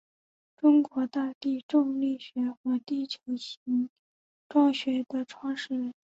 中国大地重力学和地球形状学的创始人。